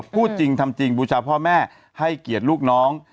พูดจริงทำจริงบูชาพ่อแม่ให้เกียรติลูกน้อง